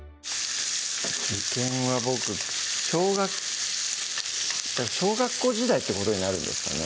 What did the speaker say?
受験は僕小学小学校時代ってことになるんですかね